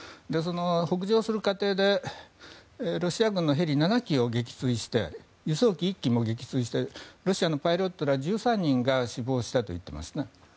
北上する過程でロシア軍のヘリ７機を撃墜して輸送機１機も撃墜してロシアのパイロットら１３人が死亡したというんですね。